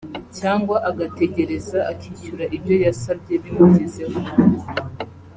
cyangwa agategereza akishyura ibyo yasabye bimugezeho